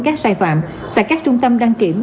các sai phạm tại các trung tâm đăng kiểm